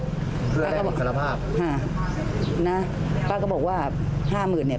เพื่อให้บังสารภาพห้านะป้าก็บอกว่าห้าหมื่นเนี่ย